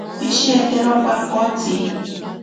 Pishetero pankotsi.